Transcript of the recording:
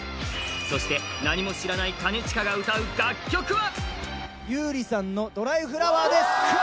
そして、何も知らない兼近が歌う楽曲は？